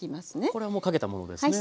これはもうかけたものですね。